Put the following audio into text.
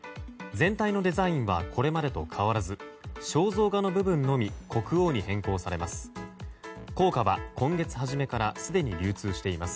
全体のデザインはこれまでと変わらず肖像画の部分のみ国王に変更されます。